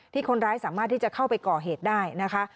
คนร้ายสามารถที่จะเข้าไปก่อเหตุได้นะคะ